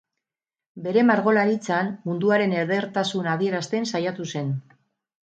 Bere margolaritzan munduaren edertasuna adierazten saiatu zen.